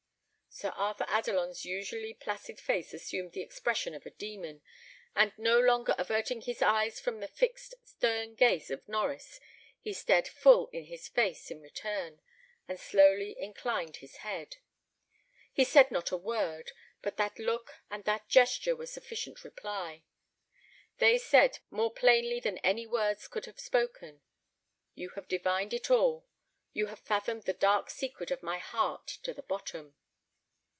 Sir Arthur Adelon's usually placid face assumed the expression of a demon; and no longer averting his eyes from the fixed, stern gaze of Norries, he stared full in his face in return, and slowly inclined his head. He said not a word, but that look and that gesture were sufficient reply. They said, more plainly than any words could have spoken, "You have divined it all; you have fathomed the dark secret of my heart to the bottom."